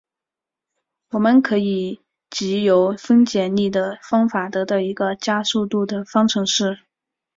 我们可以藉由分解力的方法得到一个加速度的方程式。